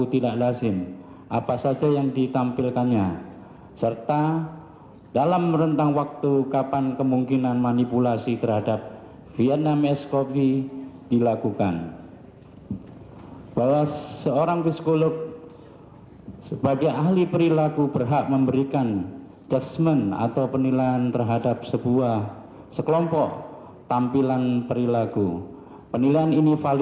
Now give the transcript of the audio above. di dalam cairan lambung korban yang disebabkan oleh bahan yang korosif